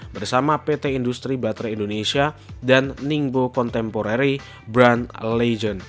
bersama pt industri baterai indonesia dan ningbo contemporary brand legend